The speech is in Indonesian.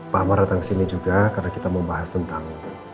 pak amar datang sini juga karena kita mau bahas tentang